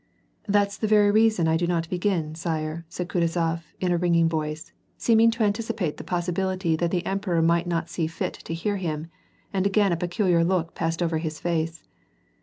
" That's the very reason I do not begin, sire," said Kutuzo^ in a ringing voice, seeming to anticipate the possibility that the emperor might not see Ht to hear him, and again a peculiar look passed over his face.